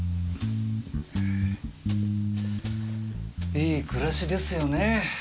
いい暮らしですよね。